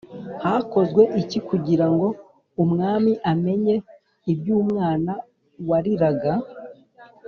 Hakozwe iki kugirango umwami amenye iby’umwana wariraga